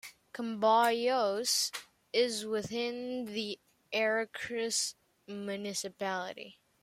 Comboios is within the Aracruz municipality.